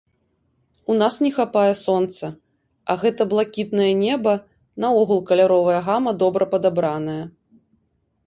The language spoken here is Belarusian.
У нас не хапае сонца, а гэта блакітнае неба, наогул каляровая гама добра падабраная.